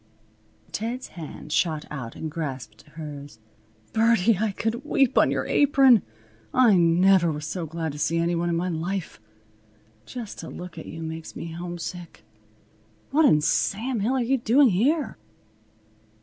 Ted's hand shot out and grasped hers. "Birdie! I could weep on your apron! I never was so glad to see any one in my life. Just to look at you makes me homesick. What in Sam Hill are you doing here?"